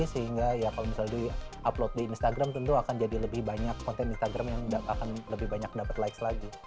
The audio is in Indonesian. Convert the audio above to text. sehingga ya kalau misalnya di upload di instagram tentu akan jadi lebih banyak konten instagram yang akan lebih banyak dapat likes lagi